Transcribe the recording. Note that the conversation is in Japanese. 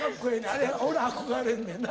あれ俺憧れんねんな